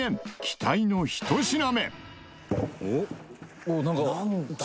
期待の１品目。